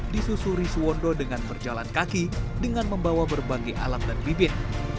disusuri suwondo dengan berjalan kaki dengan membawa berbagai alat dan bibit